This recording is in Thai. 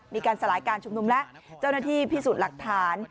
มีการสลายการชุมนุมและเจ้าหน้าที่พิสูจน์หลักฐาน